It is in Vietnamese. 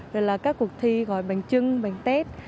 rồi là các cuộc thi gói bánh trưng bánh tết